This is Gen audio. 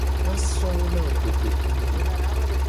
Ma so wo na wo kotoku ne.